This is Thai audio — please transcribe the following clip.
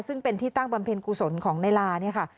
ซึ่งเป็นที่ตั้งบำเพ็ญกุศลของนายลาเนี่ยค่ะ